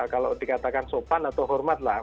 kalau dikatakan sopan atau hormat lah